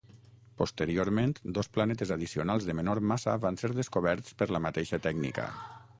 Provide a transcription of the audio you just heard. Posteriorment, dos planetes addicionals de menor massa van ser descoberts per la mateixa tècnica.